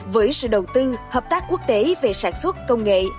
với sự đầu tư hợp tác quốc tế về sản xuất công nghệ